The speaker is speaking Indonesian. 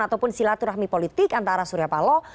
ataupun silaturahmi politik antara surya paloh